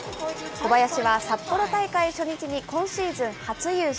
小林は札幌大会初日に今シーズン初優勝。